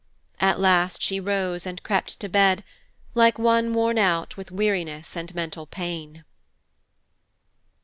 At last she rose and crept to bed, like one worn out with weariness and mental pain.